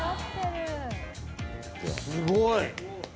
すごい。